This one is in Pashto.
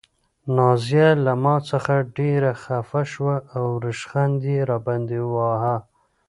نازیه له ما څخه ډېره خفه شوه او ریشخند یې راباندې واهه.